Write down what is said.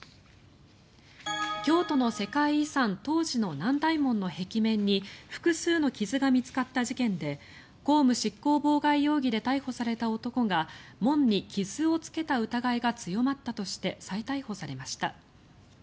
京都の世界遺産、東寺の南大門の壁面に複数の傷が見つかった事件で公務執行妨害容疑で逮捕された男が門に傷をつけた疑いが強まったとして再逮捕されました。